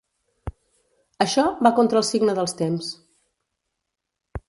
Això va contra el signe dels temps.